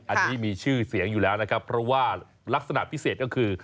อันนี้มีชื่อเสียงอยู่แล้วนะครับเพราะว่าลักษณะพิเศษก็คือ